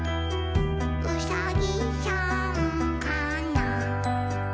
「うさぎさんかな？」